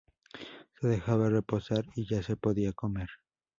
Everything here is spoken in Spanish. Se dejaba reposar y ya se podía comer.